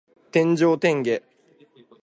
天上天下